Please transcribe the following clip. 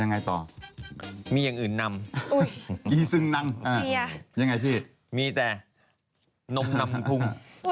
ยังไงต่อมีอย่างอื่นนำมีแต่นมนำพุง